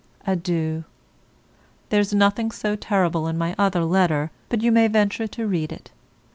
Adieu. There's nothing so terrible in my other letter but you may venture to read it.